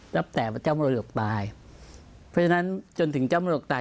รับแต่ว่าเจ้าบรรดกตายเพราะฉะนั้นจนถึงเจ้าบรรดกตาย